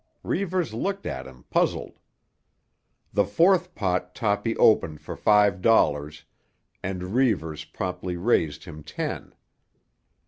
Reivers looked at him puzzled. The fourth pot Toppy opened for five dollars and Reivers promptly raised him ten.